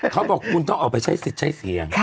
เขาบอกคุณต้องออกไปใช้สิทธิ์ใช้เสียง